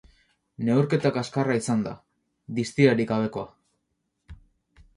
Neurketa kaskarra izan da, distirarik gabekoa.